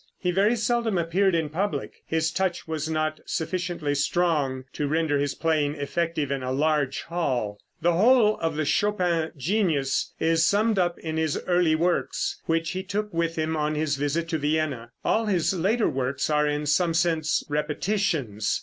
He very seldom appeared in public. His touch was not sufficiently strong to render his playing effective in a large hall. The whole of the Chopin genius is summed up in his early works, which he took with him on his visit to Vienna. All his later works are in some sense repetitions.